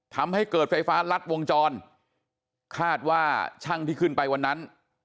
ทำให้เกิดไฟฟ้ารัดวงจรคาดว่าช่างที่ขึ้นไปวันนั้น